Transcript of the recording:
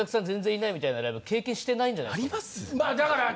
全然いないみたいなライブ経験してないんじゃないですか。